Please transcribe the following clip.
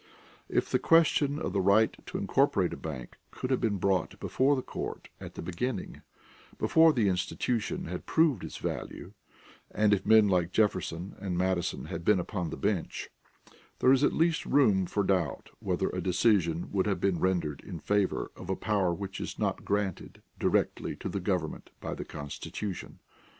If the question of the right to incorporate a bank could have been brought before the court at the beginning, before the institution had proved its value, and if men like Jefferson and Madison had been upon the bench, there is at least room for doubt whether a decision would have been rendered in favor of a power which is not granted directly to the government by the Constitution.